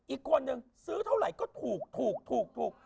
อีกคนหนึ่งซื้อเท่าไหร่ก็ถูกถูกถูกถูก